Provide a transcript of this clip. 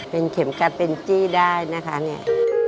เป็นเข็มกัดเป็นจี้ได้นะคะเนี่ย